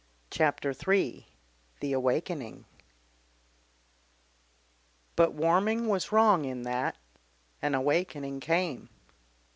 CHAPTER III THE AWAKENING But Warming was wrong in that. An awakening came.